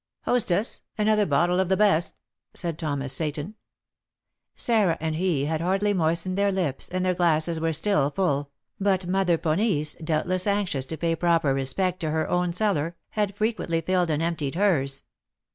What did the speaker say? "Hostess, another bottle of the best," said Thomas Seyton. Sarah and he had hardly moistened their lips, and their glasses were still full; but Mother Ponisse, doubtless anxious to pay proper respect to her own cellar, had frequently filled and emptied hers.